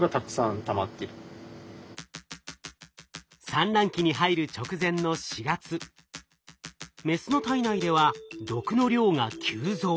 産卵期に入る直前の４月メスの体内では毒の量が急増。